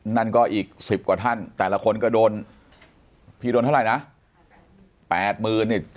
นั่นก็อีก๑๐กว่าท่านแต่ละคนก็โดนพี่โดนเท่าไหร่นะ